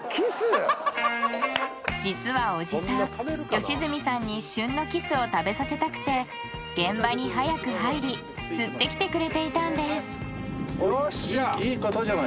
実はおじさん良純さんに旬の鱚を食べさせたくて現場に早く入り釣ってきてくれていたんですよっしゃ